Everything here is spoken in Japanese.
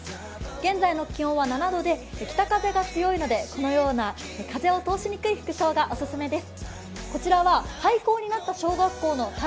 現在の気温は７度で、北風が強いのでこのような風を通しにくい服装がオススメです。